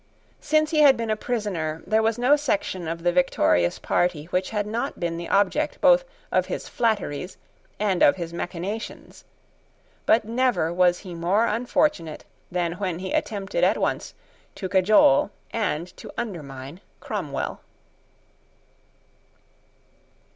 Since he had been a prisoner, there was no section of the victorious party which had not been the object both of his flatteries and of his machinations; but never was he more unfortunate than when he attempted at once to cajole and to undermine Cromwell.